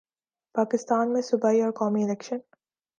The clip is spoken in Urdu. پاکستان میں صوبائی اور قومی الیکشن